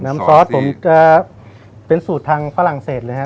น้ำซอสผมเป็นสูตรทางฝรั่งเศสเลยฮะ